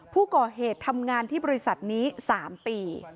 ผู้ก่อเหตุทำงานที่บริษัทนี้๓ปี